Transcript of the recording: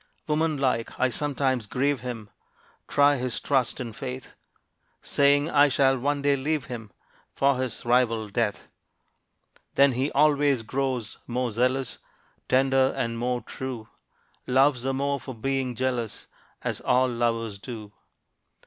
Woman like, I sometimes grieve him, Try his trust and faith, Saying I shall one day leave him For his rival Death. Then he always grows more zealous, Tender, and more true; Loves the more for being jealous, As all lovers do.